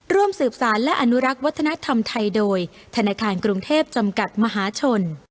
หรือจะทำให้มีความร้อนเกี่ยวกับดาบที่มีขนาดพอดี